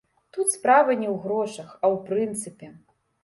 Тут справа не ў грошах, а ў прынцыпе.